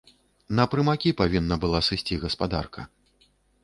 На прымакі павінна была сысці гаспадарка.